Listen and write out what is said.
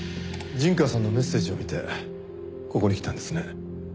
陣川さんのメッセージを見てここに来たんですね？